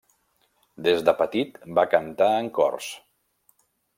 Des de petit va cantar en cors.